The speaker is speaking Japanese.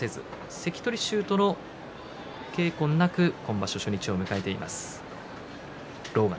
関取衆との稽古なく本場所、初日を迎えています。